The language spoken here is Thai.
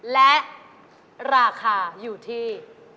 และราคาอยู่ที่